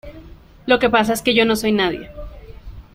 Lo que pasa es que yo no soy nadie.